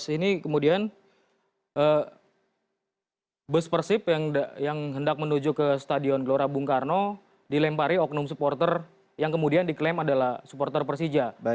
ini kemudian bus persib yang hendak menuju ke stadion gelora bung karno dilempari oknum supporter yang kemudian diklaim adalah supporter persija